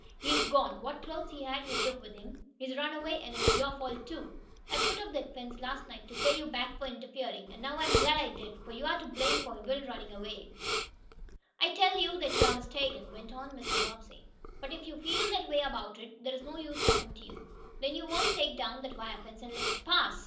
"He's gone. What clothes he had he took with him. He's run away, and it's your fault, too. I put up that fence last night to pay you back for interferin', an' now I'm glad I did, for you're to blame for Will runnin' off." "I tell you that you are mistaken," went on Mr. Bobbsey. "But if you feel that way about it, there is no use talking to you. Then you won't take down that wire fence and let us pass?"